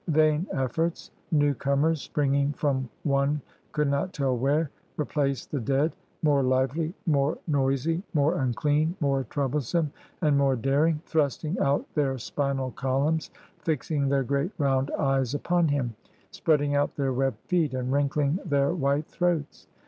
Vain efforts! newcomers, springing from one could not tell where, replaced the dead, — more lively, more noisy, more unclean, more troublesome, and more daring; thrusting out their spinal columns, fLxing their great round eyes upon him, spreading out their webbed feet, and wrinkling their white throats.